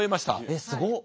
えっすごっ。